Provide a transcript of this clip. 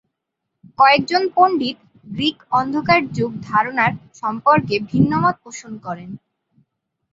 কয়েকজন পণ্ডিত গ্রিক অন্ধকার যুগ ধারণার সম্পর্কে ভিন্নমত পোষণ করেন।